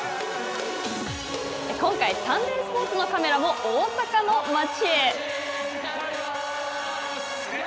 今回サンデースポーツのカメラも大阪の街へ！